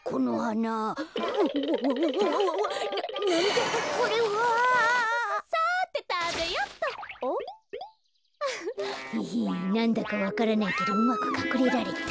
なんだかわからないけどうまくかくれられた。